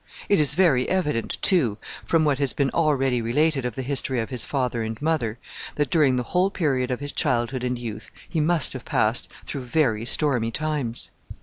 It is very evident too, from what has been already related of the history of his father and mother, that during the whole period of his childhood and youth he must have passed through very stormy times.